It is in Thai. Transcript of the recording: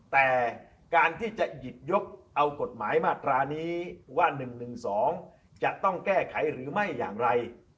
แต่การที่จะหยิบยกเอากฎหมายมาตรานี้ว่า๑๑๒จะต้องแก้ไขหรือไม่อย่างไร